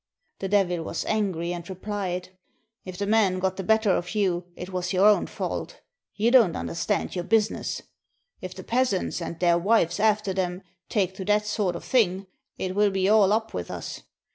The Devil was angry and replied: " If the man got the better of you, it was your own fault — you don't under stand your business ! If the peasants, and their wives after them, take to that sort of thing, it will be all up with us.